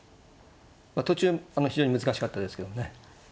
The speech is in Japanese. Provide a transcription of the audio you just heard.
途中非常に難しかったですけどもね。